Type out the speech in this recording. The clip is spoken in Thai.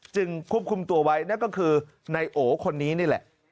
ควบคุมตัวไว้นั่นก็คือนายโอคนนี้นี่แหละ